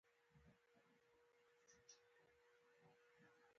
د کاکړ قوم زیات خلک په جنوبي افغانستان کې مېشت دي.